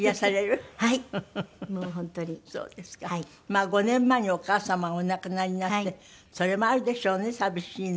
まあ５年前にお母様がお亡くなりになってそれもあるでしょうね寂しいのはね。